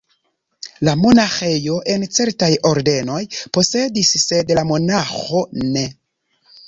La monaĥejo, en certaj ordenoj, posedis, sed la monaĥo ne.